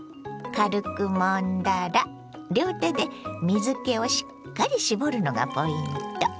軽くもんだら両手で水けをしっかり絞るのがポイント。